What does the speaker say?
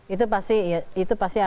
itu pasti akan ada